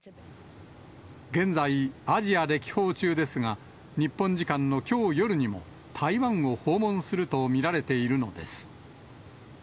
現在、アジア歴訪中ですが、日本時間のきょう夜にも、台湾を訪問すると見られているのです。